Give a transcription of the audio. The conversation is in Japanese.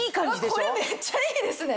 これめっちゃいいですね。